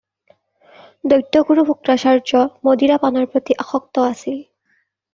দৈত্যগুৰু শুক্ৰাচাৰ্য্য মদিৰা পানৰ প্ৰতি আসক্ত আছিল।